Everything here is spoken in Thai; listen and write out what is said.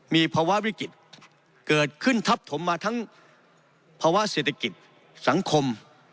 มีภาวะวิกฤตเกิดขึ้นทับถมมาทั้งภาวะเศรษฐกิจสังคม